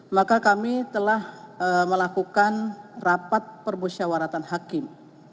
maka kami telah melakukan rapat permusyawaratan hakim